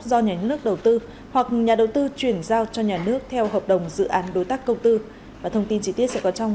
do nhà nước đầu tư hoặc nhà đầu tư chuyển giao cho nhà nước